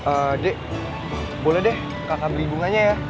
adik boleh deh kakak beli bunganya ya